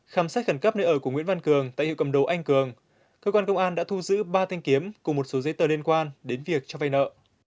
khám xét khẩn cấp nơi ở của nguyễn văn cường tại hiệu cầm đồ anh cường cơ quan công an đã thu giữ ba thanh kiếm cùng một số giấy tờ liên quan đến việc cho vay nợ